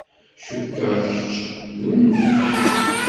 Cukkeɣ kečč d ungif.